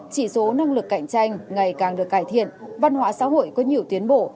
chỉ số năng lực cạnh tranh ngày càng được cải thiện văn hóa xã hội có nhiều tiến bộ